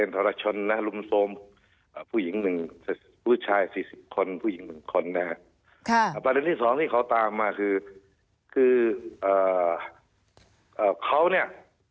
ตัวนี้เขาตามมาคือคือเอ่อเขาเนี่ย